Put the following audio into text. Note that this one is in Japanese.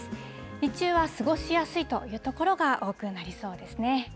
日中は過ごしやすいという所が多くなりそうですね。